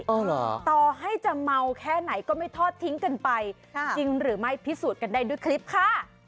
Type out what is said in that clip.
ต่อให้จะเมาแค่ไหนก็ไม่ทอดทิ้งกันไปจริงหรือไม่พิสูจน์กันได้ด้วยคลิปค่ะ